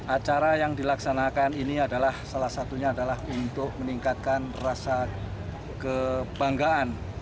acara yang dilaksanakan ini adalah salah satunya adalah untuk meningkatkan rasa kebanggaan